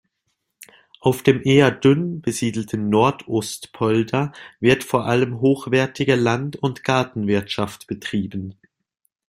Auf dem eher dünn besiedelten Noordoostpolder wird vor allem hochwertige Land- und Gartenwirtschaft betrieben.